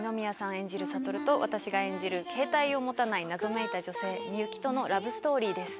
演じる悟と私が演じる携帯を持たない謎めいた女性みゆきとのラブストーリーです。